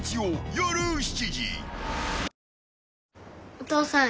お父さん